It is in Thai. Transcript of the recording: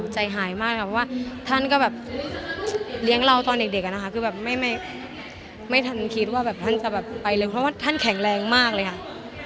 ใจหายมากค่ะเพราะว่าท่านก็แบบเลี้ยงเราตอนเด็กอะนะคะคือแบบไม่ทันคิดว่าแบบท่านจะแบบไปเร็วเพราะว่าท่านแข็งแรงมากเลยค่ะ